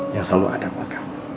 yang selalu ada buat kamu